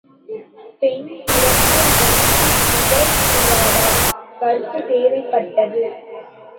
பெண் பிறர் நெஞ்சு புகக் கூடாத கற்பு தேவைப்பட்டது.